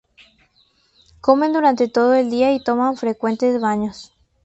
Comen durante todo el día y toman frecuentes baños.